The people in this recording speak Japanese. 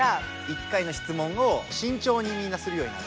１回の質問をしんちょうにみんなするようになる？